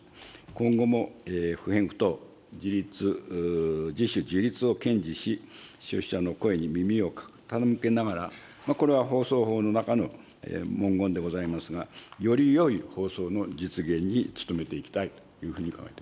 今後も不偏不党、自律、自主・自律を堅持し、消費者の声に耳を傾けながら、これは放送法の中の文言でございますが、よりよい放送の実現に努めていきたいというふうに考えております。